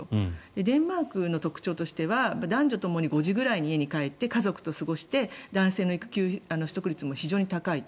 デンマークの特徴としては男女ともに５時ぐらいに家に帰って家族と過ごして男性の育休取得率も非常に高いと。